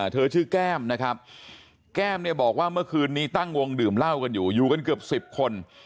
เธอชื่อแก้มนะครับแก้มเนี่ยบอกว่าเมื่อคืนนี้ตั้งวงดื่มเหล้ากันอยู่อยู่กันเกือบ๑๐คน